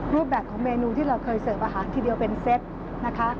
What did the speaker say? รูปแบบของเมนูที่เราเคยเสิร์ฟอาหารทีเดียวเป็นเซตนะคะ